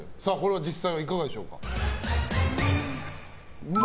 実際はいかがでしょうか？